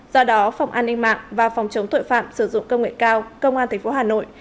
do đó phòng an ninh mạng và phòng chống tội phạm sử dụng công nghệ cao công an tp hà nội